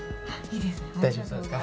大丈夫そうですか？